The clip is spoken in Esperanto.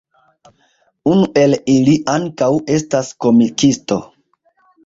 Unu el ili ankaŭ estas komikisto.